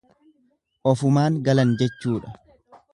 Ofumaan galan jechuudha.